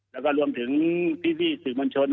แล้วก็รวมทั้งพี่ที่สื่อมันชน